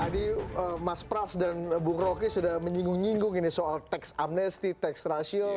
tadi mas pras dan bung rocky sudah menyinggung nyinggung ini soal tax amnesti tax ratio